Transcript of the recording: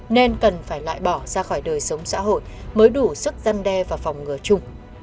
nên cần phải loại bỏ ra khỏi đời sống xã hội mới đủ sức răn đe và phòng ngừa chung